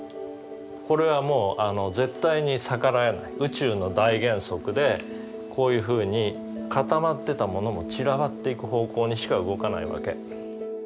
これはもう絶対に逆らえない宇宙の大原則でこういうふうに固まってたものも散らばっていく方向にしか動かないわけ。